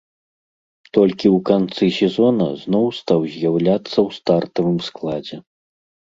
Толькі ў канцы сезона зноў стаў з'яўляцца ў стартавым складзе.